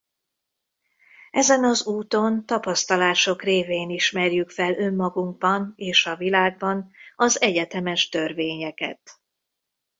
Ezen az úton tapasztalások révén ismerjük fel önmagunkban és a világban az egyetemes törvényeket.